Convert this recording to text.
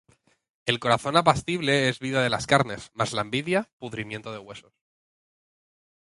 El corazón apacible es vida de las carnes: Mas la envidia, pudrimiento de huesos.